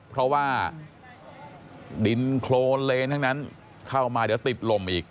เพราะว่าดินโครนเลนทั้งนั้นเข้ามาเดี๋ยวติดลมอีก